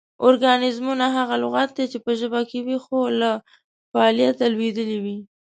ارکانیزمونه: هغه لغات دي چې پۀ ژبه کې وي خو لۀ فعالیت لویدلي وي